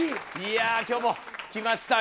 いや今日も来ましたよ。